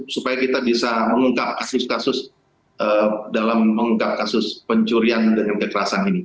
supaya kita bisa mengungkap kasus kasus dalam mengungkap kasus pencurian dengan kekerasan ini